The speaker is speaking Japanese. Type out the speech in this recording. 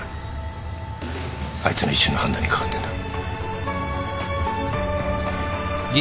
あいつの一瞬の判断にかかってんだ。